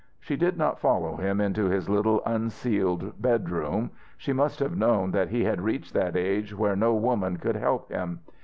She did not follow him into his little unceiled bedroom. She must have known that he had reached that age where no woman could help him.